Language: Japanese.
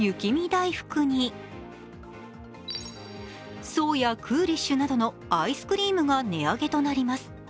だいふくに爽やクーリッシュなどのアイスクリームが値上げとなります。